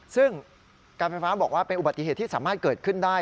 ซึ่งการไฟฟ้าบอกว่าเป็นอุบัติเหตุที่สามารถเกิดขึ้นได้